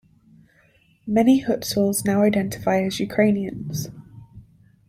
Many Hutsuls now identify as Ukrainians.